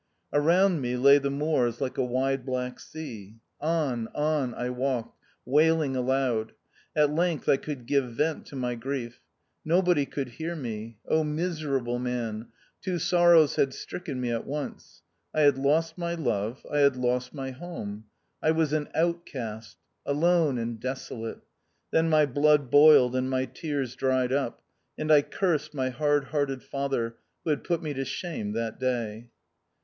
Around me lay the moors like a wide black sea. On, on I walked, wailing aloud. At length I could give vent to my grief. Nobody could hear me. miser able man ! two sorrows had stricken me at once. I had lost my love ; I had lost my home. I was an Outcast ; alone and deso late. Then my blood boiled and my tears dried up ; and I cursed my hard hearted father, who had put me to shame that day.